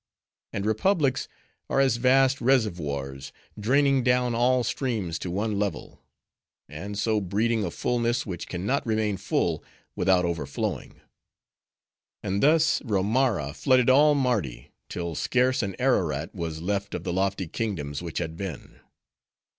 And republics are as vast reservoirs, draining down all streams to one level; and so, breeding a fullness which can not remain full, without overflowing. And thus, Romara flooded all Mardi, till scarce an Ararat was left of the lofty kingdoms which had been.